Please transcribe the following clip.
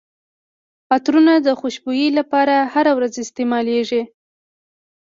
عطرونه د خوشبويي لپاره هره ورځ استعمالیږي.